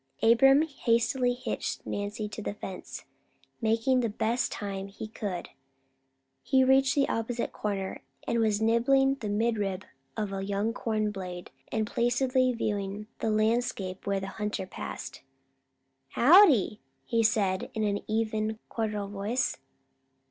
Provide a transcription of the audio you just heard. Abram hastily hitched Nancy to the fence. By making the best time he could, he reached the opposite corner, and was nibbling the midrib of a young corn blade and placidly viewing the landscape when the hunter passed. "Howdy!" he said in an even cordial voice.